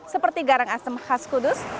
seperti garang asem khas kudus